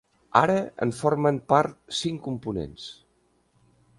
Ara en formen part cinc components.